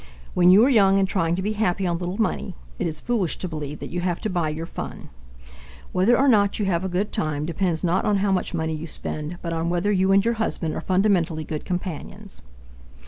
When you are young and trying to be happy on little money, it is foolish to believe that you have to buy your fun. Whether or not you have a good time depends not on how much money you spend but on whether you and your husband are fundamentally good companions.